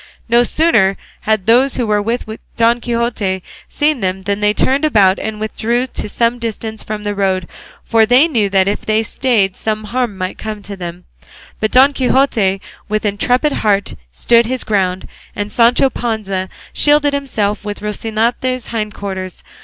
No sooner had those who were with Don Quixote seen them than they turned about and withdrew to some distance from the road, for they knew that if they stayed some harm might come to them; but Don Quixote with intrepid heart stood his ground, and Sancho Panza shielded himself with Rocinante's hind quarters.